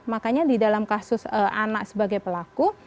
makanya di dalam kasus anak sebagai pelaku